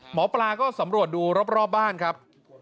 หมอปลาก็สำรวจดูรอบบ้านครับ